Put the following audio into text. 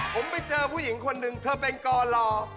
ผมไปเจอผู้หญิงคนหนึ่งเธอเป็นกร